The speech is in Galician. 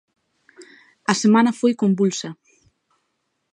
A semana foi combulsa.